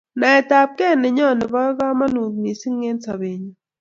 naet ab kee nenyon ko nebo kamangut missing eng sabet nenyo